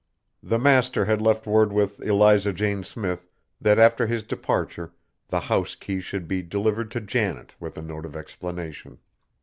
The master had left word with Eliza Jane Smith that after his departure the house key should be delivered to Janet with a note of explanation.